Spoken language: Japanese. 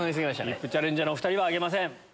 ＶＩＰチャレンジャーのお２人は挙げません。